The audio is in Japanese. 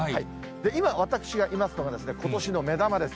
今、私がいますのが、ことしの目玉です。